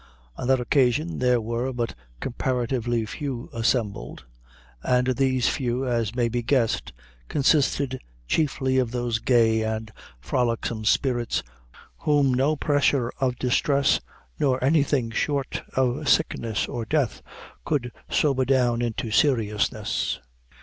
On that occasion, there were but comparatively few assembled; and these few, as may be guessed, consisted chiefly of those gay and frolicsome spirits whom no pressure of distress, nor anything short of sickness or death, could sober down into seriousness.